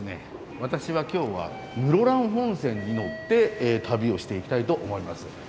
私は今日は室蘭本線に乗って旅をしていきたいと思います。